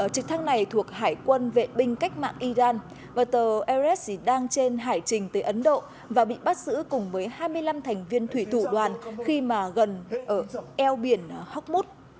trực thăng này thuộc hải quân vệ binh cách mạng iran và tàu eres đang trên hải trình tới ấn độ và bị bắt giữ cùng với hai mươi năm thành viên thủy thủ đoàn khi mà gần ở eo biển horkmut